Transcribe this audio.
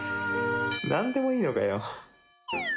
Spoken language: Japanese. なんでもいいのかよ。